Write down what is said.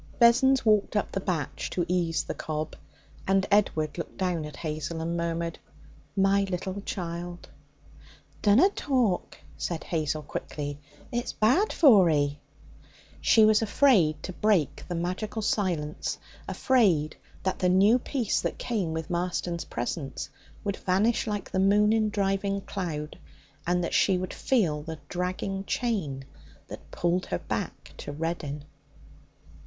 Vessons walked up the batch to ease the cob, and Edward looked down at Hazel and murmured: 'My little child!' 'Dunna talk,' said Hazel quickly; 'it's bad for 'ee!' She was afraid to break the magical silence, afraid that the new peace that came with Marston's presence would vanish like the moon in driving cloud, and that she would feel the dragging chain that pulled her back to Reddin.